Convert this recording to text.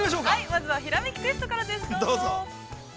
まずは「ひらめきクエスト」からです、どうぞ。